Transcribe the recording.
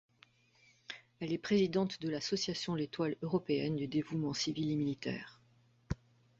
Elle est présidente de l'association L'Étoile européenne du dévouement civil et militaire.